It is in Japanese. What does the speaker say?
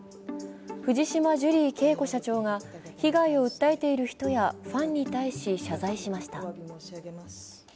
藤島ジュリー景子社長が被害を訴えている人やファンに対し謝罪しました。